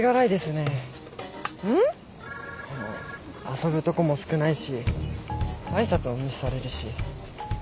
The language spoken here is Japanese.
遊ぶとこも少ないし挨拶も無視されるし。